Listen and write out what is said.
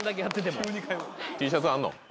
Ｔシャツあんの？